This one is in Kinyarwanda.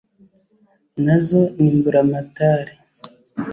Nazo ni Mburamatare.